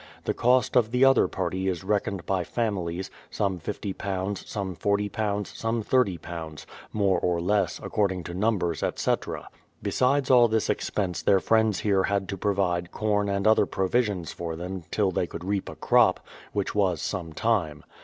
The cost of the other party is reckoned by families, some £50, some £40, some £30, — more or less, according to numbers, etc. Besides all this expense their friends here had to provide corn and other provisions for them till they could reap a crop, which was some time.